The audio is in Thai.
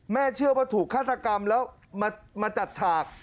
เชื่อว่าถูกฆาตกรรมแล้วมาจัดฉาก